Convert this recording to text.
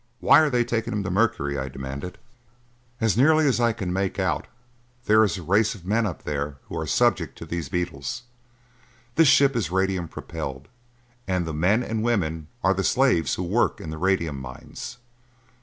"Why are they taking them to Mercury?" I demanded. "As nearly as I can make out, there is a race of men up there who are subject to these beetles. This ship is radium propelled, and the men and women are the slaves who work in the radium mines.